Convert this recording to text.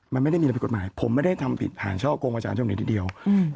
มันไม่ได้มีอะไรผิดกฎหมายผมไม่ได้ทำผิดผ่านช่อโกงอาจารย์ช่วงนี้สิ่งเดียว